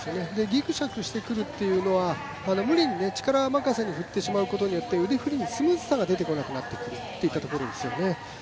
ぎくしゃくしてくるというのは、無理に力任せに振ってしまうことによって腕振りにスムーズさが出なくなってくるということですよね。